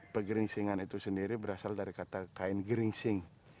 pegeringsingan itu sendiri berasal dari kata kain geringsing